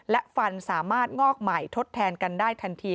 และฟันสามารถงอกใหม่ทดแทนกันได้ทันที